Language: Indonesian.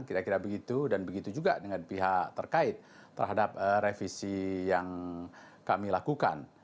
kira kira begitu dan begitu juga dengan pihak terkait terhadap revisi yang kami lakukan